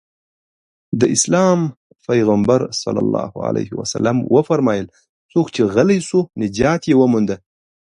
د اسلام پيغمبر ص وفرمايل څوک چې غلی شو نجات يې ومونده.